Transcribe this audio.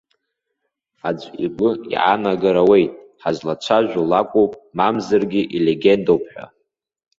Аӡә игәы иаанагар ауеит ҳазлацәажәо лакәуп, мамзаргьы илегендоуп ҳәа.